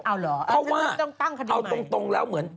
เอาเหรอถ้าต้องตั้งคดีใหม่เพราะว่าเอาตรงแล้วเหมือน